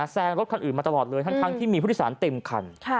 แซงรถคันอื่นมาตลอดเลยทั้งที่มีผู้โดยสารเต็มคัน